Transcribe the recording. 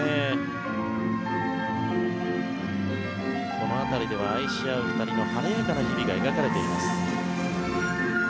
この辺りでは愛し合う２人の晴れやかな日々が描かれています。